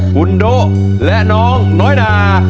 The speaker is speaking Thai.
บุญโดและน้องน้อยร้อย